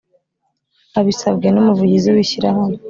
Abisabwe n Umuvugizi w Ishyirahamwe